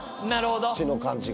土の感じが。